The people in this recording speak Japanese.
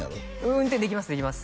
運転できますできます